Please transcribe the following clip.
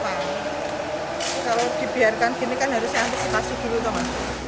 kalau dibiarkan gini kan harusnya hampir sekasih dulu